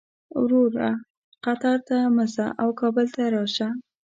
وروره قطر ته مه ځه او کابل ته راشه.